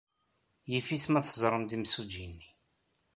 Yif-it ma yeẓram-d imsujji-nni.